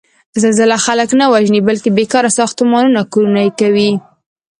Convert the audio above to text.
زلزله خلک نه وژني، بلکې بېکاره ساختمانونه کورنه یې کوي.